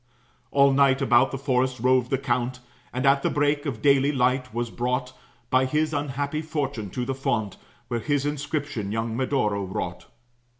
All night about the forest roved the count, And, at the break of daily light, was brought By his unhappy fortune to the fount, Where his inscription young Medoro wrought.